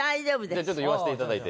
じゃあちょっと言わせて頂いて。